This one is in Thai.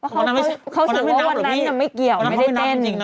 เขารู้สึกว่าวันนั้นไม่เกี่ยวไม่ได้เต้น